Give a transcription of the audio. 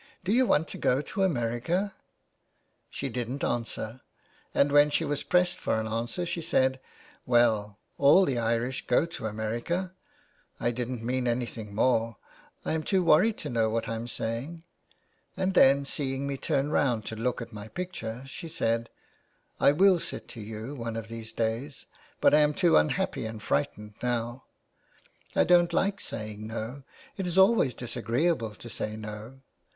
' Do you want to go to America?' She didn't answer, and when she was pressed for an answer, she said :' Well, all the Irish go to America, I didn't mean anything more ; I am too worried to know what I am saying,' and then, seeing me turn round to look at my picture, she said, * I will sit to you one of these days, but I am too unhappy and frightened now. I don't like saying no ; it is always disagreeable to say no.'